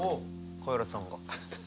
カエラさんが。